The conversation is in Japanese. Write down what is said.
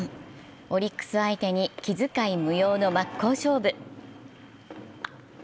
オリックス相手に気遣い無用の真っ向勝負。